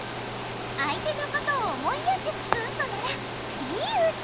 あいてのことを思いやってつくウソならいいウソ。